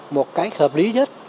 một cách hợp lý nhất